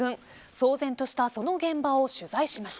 騒然としたその現場を取材しました。